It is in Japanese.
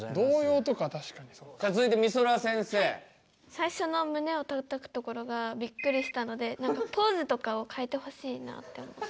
最初の胸をたたくところがびっくりしたのでポーズとかを変えてほしいなって思って。